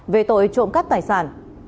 về tội trộm cắt tài sản